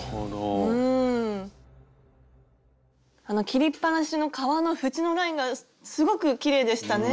切りっぱなしの革の縁のラインがすごくきれいでしたね。